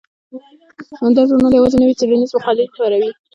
دا ژورنال یوازې نوې څیړنیزې مقالې خپروي.